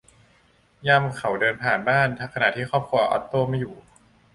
ยามเขาเดินผ่านบ้านขณะที่ครอบครัวออตโตไม่อยู่